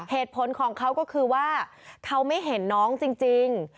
เหตุผลของเขาก็คือว่าเขาไม่เห็นน้องจริง